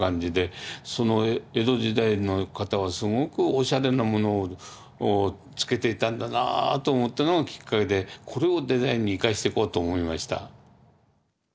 江戸時代の方はすごくおしゃれなものをつけていたんだなと思ったのがきっかけでこれをデザインに生かしてこうと思いました。